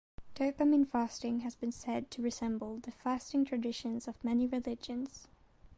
Dopamine fasting has been said to resemble the fasting tradition of many religions.